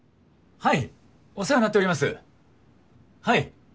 はい。